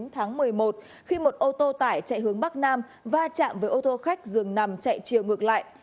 tháng một mươi một khi một ô tô tải chạy hướng bắc nam va chạm với ô tô khách dường nằm chạy chiều ngược lại